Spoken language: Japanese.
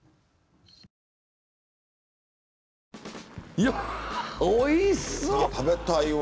いやおいしそう！